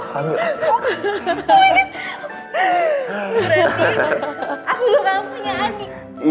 berarti aku hamil anakku ya anjing